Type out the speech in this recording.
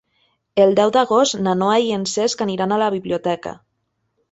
El deu d'agost na Noa i en Cesc aniran a la biblioteca.